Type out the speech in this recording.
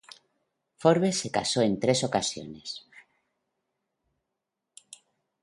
Forbes se casó en tres ocasiones.